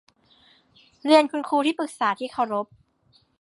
เรียนคุณครูที่ปรึกษาที่เคารพ